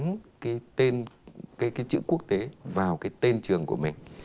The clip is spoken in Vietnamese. gắn cái tên cái chữ quốc tế vào cái tên trường của mình